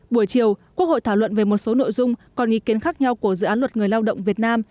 buổi chiều quốc hội thảo luận về một số nội dung còn ý kiến khác nhau của dự án luật người lao động việt nam